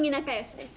です